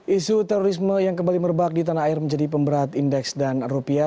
isu terorisme yang kembali merebak di tanah air menjadi pemberat indeks dan rupiah